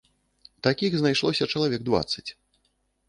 Такіх знайшлося чалавек дваццаць.